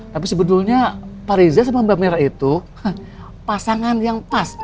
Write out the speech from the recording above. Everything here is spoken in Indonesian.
tapi sebetulnya pak reza sama mbak mira itu pasangan yang pas